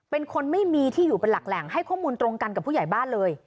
เป็นคนไม่มีที่อยู่เป็นหลักแหล่งให้ข้อมูลตรงกันกับผู้ใหญ่บ้านเลย